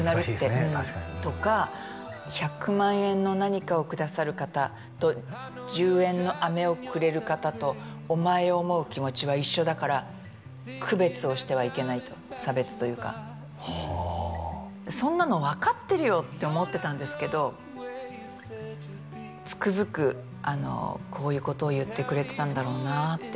確かにとか１００万円の何かを下さる方と１０円のアメをくれる方とお前を思う気持ちは一緒だから区別をしてはいけないと差別というかはあそんなの分かってるよって思ってたんですけどつくづくこういうことを言ってくれてたんだろうなって